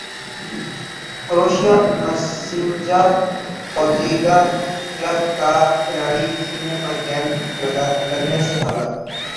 کروشیا مرسینجا Pozega club کا کھلاڑی سینے پر گیند لگنے سے ہلاک